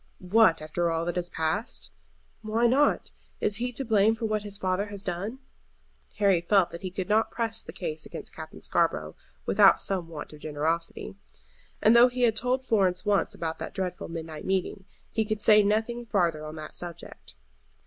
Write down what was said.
"What, after all that has passed?" "Why not? Is he to blame for what his father has done?" Harry felt that he could not press the case against Captain Scarborough without some want of generosity. And though he had told Florence once about that dreadful midnight meeting, he could say nothing farther on that subject.